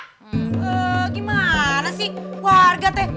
gimana sih warga teh